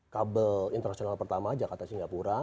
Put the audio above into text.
kabel internasional pertama jakarta singapura